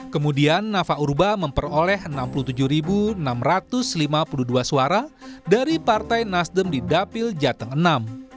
kemudian nafa urba memperoleh enam puluh tujuh enam ratus lima puluh dua suara dari partai nasdem di dapil jateng enam